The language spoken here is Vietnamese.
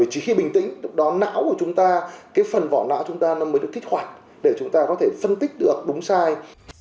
chỉ khi bình tĩnh phần vỏ não của chúng ta mới được kích hoạt để chúng ta có thể phân tích được đúng sai